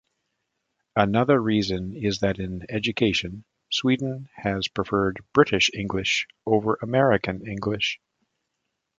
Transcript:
Another reason is that in education, Sweden has preferred British English over American English.